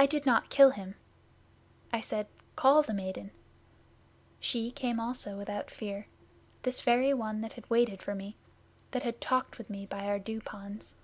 I did not kill him. I said, "Call the maiden." She came also without fear this very one that had waited for me, that had talked with me, by our Dew ponds.